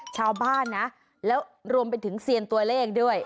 ชาวบ้านนะแล้วรวมไปถึงเซียนตัวเลขด้วย